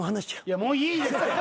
いやもういいですって。